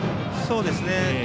そうですね。